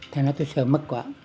thành nói tôi sợ mất quá